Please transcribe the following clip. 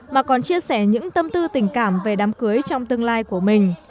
mà còn chia sẻ những tâm tư tình cảm về đám cưới trong tương lai của mình